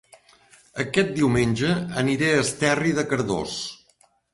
Aquest diumenge aniré a Esterri de Cardós